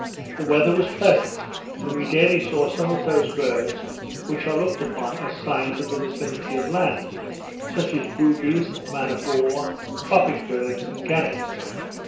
The weather was pleasant; and we daily saw some of those birds which are looked upon as signs of the vicinity of land; such as boobies, man of war, tropic birds, and gannets.